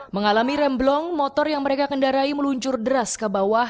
mengalami remblong motor yang mereka kendarai meluncur deras ke bawah